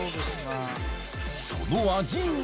その味は？